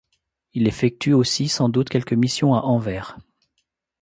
Il effectue aussi sans doute quelques missions à Anvers.